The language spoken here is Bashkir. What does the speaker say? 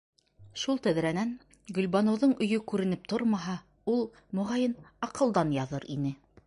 Шул тәҙрәнән Гөлбаныуының өйө күренеп тормаһа, ул, моғайын, аҡылдан яҙыр ине.